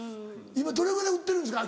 今どれぐらい売ってるんですか？